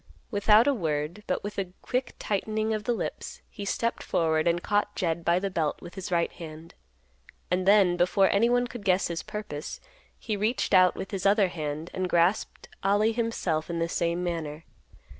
Without a word, but with a quick tightening of the lips, he stepped forward and caught Jed by the belt with his right hand; and then, before anyone could guess his purpose, he reached out with his other hand, and grasped Ollie himself in the same manner.